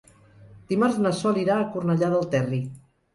Dimarts na Sol irà a Cornellà del Terri.